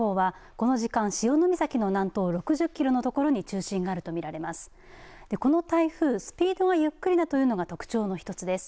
この台風スピードがゆっくりだというのが特徴の１つです。